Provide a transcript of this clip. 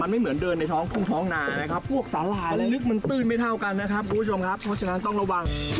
มันไม่เหมือนเดินในท้องท้องนานนะครับ